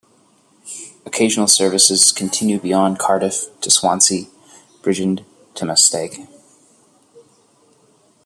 Occasional services continue beyond Cardiff to Swansea, Bridgend or Maesteg.